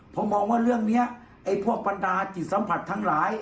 ผมมองว่าเรื่องนี้ไอ้พวกบรรดาจิตสัมผัสทั้งหลาย